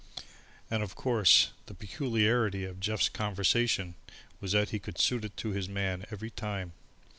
And, of course, the peculiarity of Jeff's conversation was that he could suit it to his man every time.